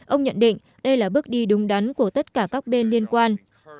ông nhận định đây là bước đi đúng đắn của tất cả các bên liên quan